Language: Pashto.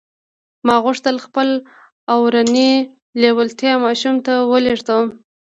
ما غوښتل خپله اورنۍ لېوالتیا ماشوم ته ولېږدوم